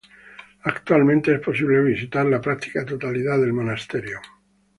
Actualmente es posible visitar la práctica totalidad del monasterio.